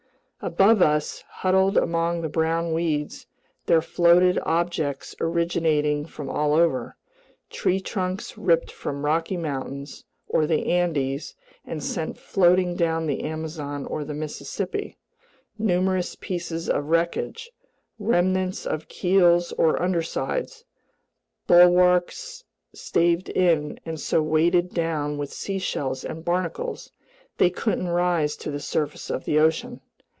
Above us, huddled among the brown weeds, there floated objects originating from all over: tree trunks ripped from the Rocky Mountains or the Andes and sent floating down the Amazon or the Mississippi, numerous pieces of wreckage, remnants of keels or undersides, bulwarks staved in and so weighed down with seashells and barnacles, they couldn't rise to the surface of the ocean.